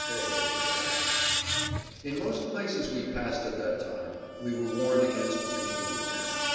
They had to die. [Pg 25]In most places we passed at that time we were warned against drinking the water.